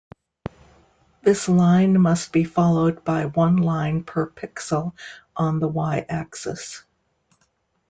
This line must be followed by one line per pixel on the Y-axis.